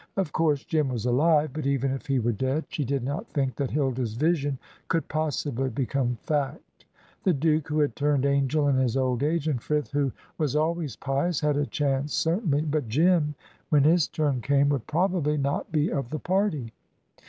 Of course Jim was alive, but even if he were dead, she did not think that Hilda's vision could possibly become fact. The Duke, who had turned angel in his old age, and Frith, who was always pious, had a chance certainly; but Jim, when his turn came, would probably not be of the party.